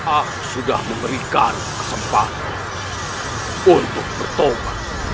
a sudah memberikan kesempatan untuk bertobat